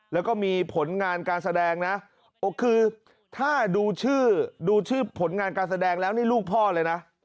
แล้วก็มีผลงานการแสดงนะโอเคถ้าดูชื่อดูชื่อผลงานการแสดงแล้วนี่ลูกพ่อเลยนะ